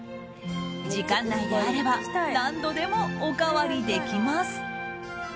時間内であれば何度でもおかわりできます。